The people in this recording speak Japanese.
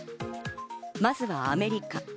まずはアメリカ。